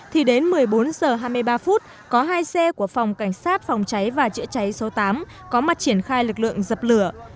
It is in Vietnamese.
thì đến một mươi bốn h hai mươi ba phút có hai xe của phòng cảnh sát phòng cháy và chữa cháy số tám có mặt triển khai lực lượng dập lửa